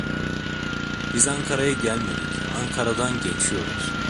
Biz Ankara'ya gelmedik, Ankara'dan geçiyoruz.